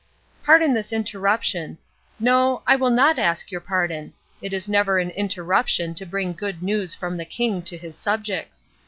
Pardon this interruption no, I will not ask your pardon: it is never an interruption to bring good news from the King to his subjects.